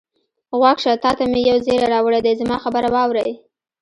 غوږ شه، تا ته مې یو زېری راوړی دی، زما خبره واورئ.